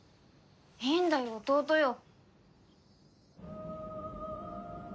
いいんだよ弟よ。